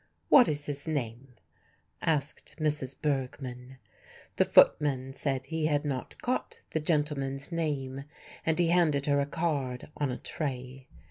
"What is his name?" asked Mrs. Bergmann. The footman said he had not caught the gentleman's name, and he handed her a card on a tray.